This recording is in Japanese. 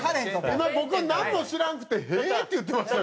今僕なんも知らんくてへえー！って言ってました。